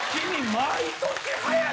毎年、早い！